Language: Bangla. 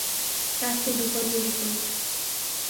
তাকে দুবার গুলি করেছো।